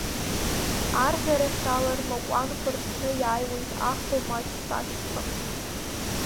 Арӷьарахьала рмакәанкәа рҭәны иааиуеит аӷба маҷ-саҷқәа…